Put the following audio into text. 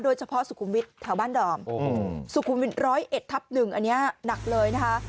เฉพาะสุขุมวิทย์แถวบ้านดอมสุขุมวิท๑๐๑ทับ๑อันนี้หนักเลยนะคะ